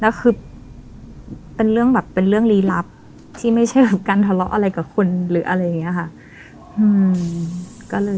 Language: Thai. แล้วคือเป็นเรื่องหลีลับที่ไม่ใช่การทะเลาะอะไรกับคุณหรืออะไรอย่างนี้ค่ะ